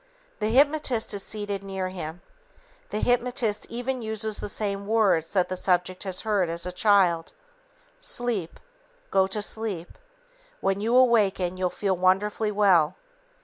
The hypnotist is seated near him. The hypnotist even uses the same words that the subject has heard as a child: "Sleep. Go to sleep. When you awaken, you'll feel wonderfully well."